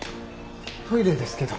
トイレですけど。